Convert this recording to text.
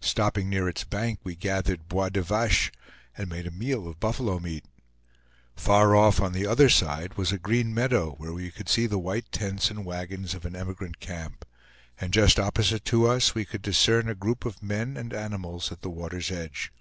Stopping near its bank, we gathered bois de vache, and made a meal of buffalo meat. Far off, on the other side, was a green meadow, where we could see the white tents and wagons of an emigrant camp; and just opposite to us we could discern a group of men and animals at the water's edge.